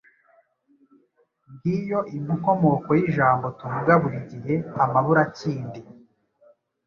Ngiyo inkomoko y’ijambo tuvuga buri gihe “Amaburakindi”